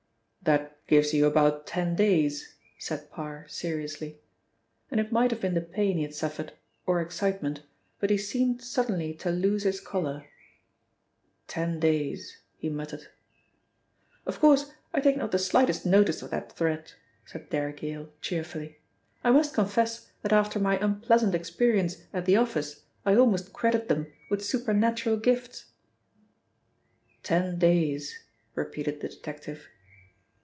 "That gives you about ten days," said Parr seriously, and it might have been the pain he had suffered, or excitement, but he seemed suddenly to lose his colour. "Ten days," he muttered. "Of course, I take not the slightest notice of that threat," said Derrick Yale cheerfully. "I must confess that after my unpleasant experience at the office I almost credit them with supernatural gifts." "Ten days," repeated the detective.